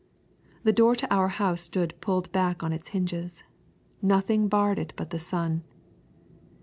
The door to our house stood pulled back on its hinges. Nothing barred it but the sun.